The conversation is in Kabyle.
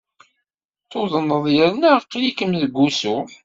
Tuḍneḍ yerna aql-ikem deg wusu.